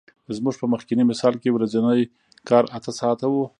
زموږ په مخکیني مثال کې ورځنی کار اته ساعته وو